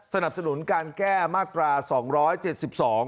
สนับสนุนการแก้มาตราสองร้อยเจ็ดสิบสอง